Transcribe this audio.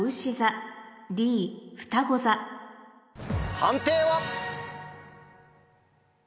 判定は？